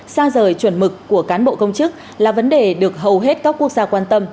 xa rời chuẩn mực của cán bộ công chức là vấn đề được hầu hết các quốc gia quan tâm